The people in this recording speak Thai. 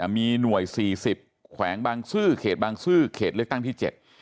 มีหน่วยสี่สิบแขวงบางซื่อเขตบางซื่อเขตเลือกตั้งที่๗